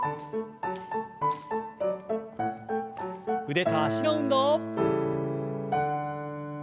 腕と脚の運動。